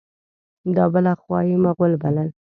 دا بله خوا یې مغل بلل.